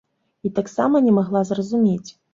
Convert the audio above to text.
І таксама не магла зразумець.